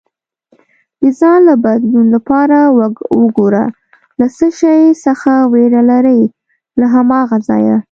د ځان له بدلون لپاره وګوره له څه شي څخه ویره لرې، له هماغه ځایه